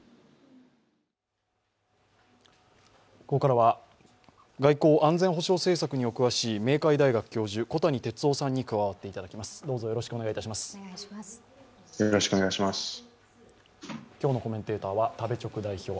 ここからは外交・安全保障政策にお詳しい明海大学教授・小谷哲男さんに加わっていただきます。